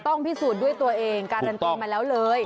พิสูจน์ด้วยตัวเองการันตีมาแล้วเลย